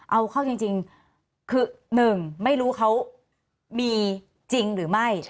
เอาเข้าจริงคือหนึ่งไม่รู้เขามีจริงหรือไม่